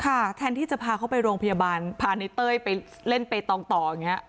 แทนที่จะพาเขาไปโรงพยาบาลพาในเต้ยไปเล่นเปตองต่ออย่างนี้